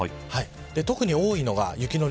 特に多いのが雪の量。